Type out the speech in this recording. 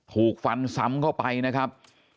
ถูกฟันซ้ำเข้าไปนะครับ